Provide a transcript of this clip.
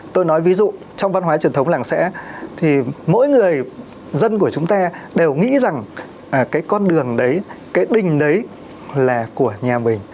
tôi nói ví dụ trong văn hóa truyền thống làng sẽ thì mỗi người dân của chúng ta đều nghĩ rằng cái con đường đấy cái đình đấy là của nhà mình